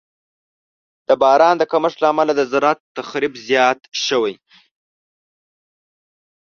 د باران د کمښت له امله د زراعت تخریب زیات شوی.